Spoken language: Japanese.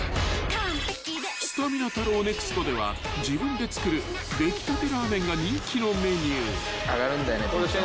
［すたみな太郎ＮＥＸＴでは自分で作る出来たてラーメンが人気のメニュー］